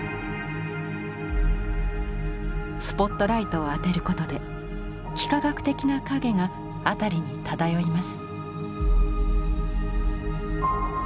スポットライトを当てることで幾何学的な影が辺りに漂います。